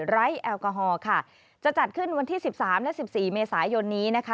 แอลกอฮอล์ค่ะจะจัดขึ้นวันที่สิบสามและสิบสี่เมษายนนี้นะคะ